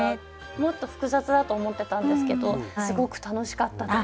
もっと複雑だと思ってたんですけどすごく楽しかったです。